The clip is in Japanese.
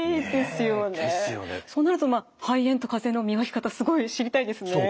そうなると肺炎とかぜの見分け方すごい知りたいですね。